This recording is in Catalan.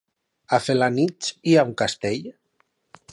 A Felanitx hi ha un castell?